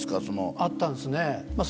あったんですね。